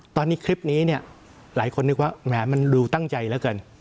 ตอนนี้คลิปนี้เนี่ยหลายคนนึกว่าแหมมันดูตั้งใจแล้วกัน